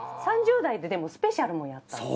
３０代ででもスペシャルもやった。